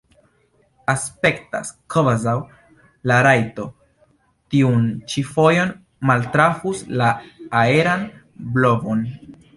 Aspektas, kvazaŭ la kajto tiun ĉi fojon maltrafus la aeran blovon.